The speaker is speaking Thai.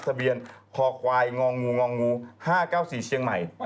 ทะเบียนพควายงง๕๙๔เชียงใหม่